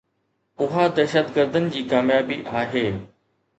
اها دهشتگردن جي ڪاميابي آهي.